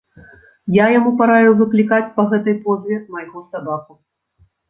Я яму параіў выклікаць па гэтай позве майго сабаку.